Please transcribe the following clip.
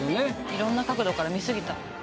いろんな角度から見すぎた。